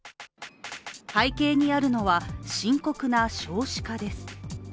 背景にあるのは、深刻な少子化です。